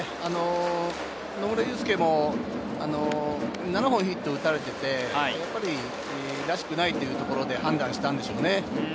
野村祐輔も７本ヒットを打たれていて、らしくないというところで判断したのでしょうね。